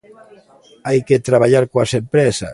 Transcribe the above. Hai que traballar coas empresas.